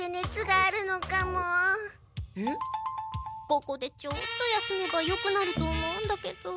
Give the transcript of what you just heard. ここでちょっと休めばよくなると思うんだけど。